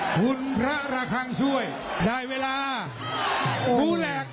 พูแหลกได้เวลาบูหลัก